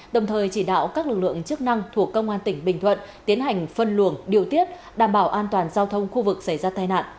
đồng thời chỉ đạo các lực lượng chức năng thuộc công an tỉnh bình thuận tiến hành phân luồng điều tiết đảm bảo an toàn giao thông khu vực xảy ra tai nạn